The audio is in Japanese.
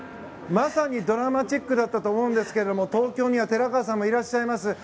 まさにドラマチックだったと思うんですが東京には寺川さんもいらっしゃいます。